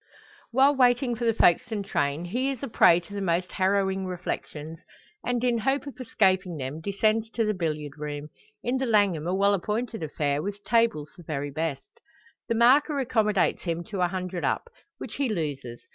While waiting for the Folkestone train, he is a prey to the most harrowing reflections, and in hope of escaping them, descends to the billiard room in the Langham a well appointed affair, with tables the very best. The marker accommodates him to a hundred up, which he loses.